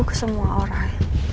ke semua orang